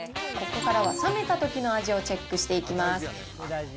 ここからは冷めたときの味をチェックしていきます。